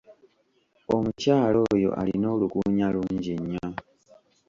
Omukyala oyo alina olukuunya lungi nnyo.